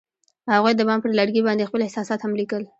هغوی د بام پر لرګي باندې خپل احساسات هم لیکل.